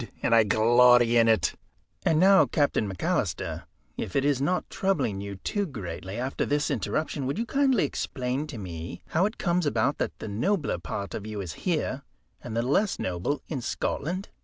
And I glory in it." "And now, Captain McAlister, if it is not troubling you too greatly, after this interruption would you kindly explain to me how it comes about that the nobler part of you is here and the less noble in Scotland?"